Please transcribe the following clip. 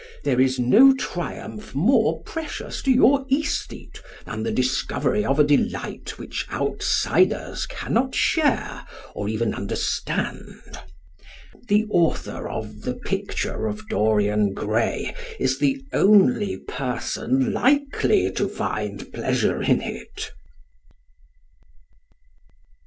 There is no triumph more precious to your æsthete than the discovery of a delight which outsiders cannot share or even understand. The author of "The Picture of Dorian Gray" is the only person likely to find pleasure in it.